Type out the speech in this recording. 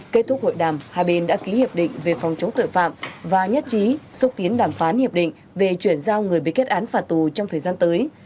kết thúc hội đàm hai bên đã ký hiệp định về phòng chống tội phạm và nhất trí xúc tiến đàm phán hiệp định về chuyển giao người bị kết án phạt tù trong thời gian tới